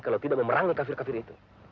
kalau tidak memerangi kafir kafir itu